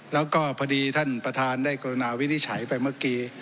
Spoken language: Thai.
แล้วก็พอดีท่านประธานได้กรุณาวินิจฉัยไปเมื่อกี้